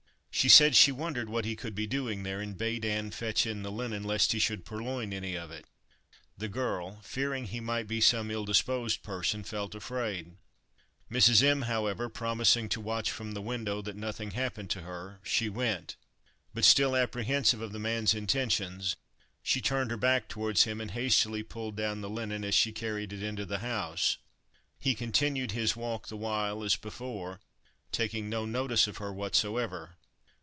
She said she wondered what he could be doing there, and bade Ann fetch in the linen, lest he should purloin any of it. The girl, fearing he might be some ill disposed person, felt afraid; Mrs. M——, however, promising to watch from the window, that nothing happened to her, she went; but still apprehensive of the man's intentions, she turned her back toward him, and hastily pulling down the linen, she carried it into the house; he continuing his walk the while, as before, taking no notice of her whatever.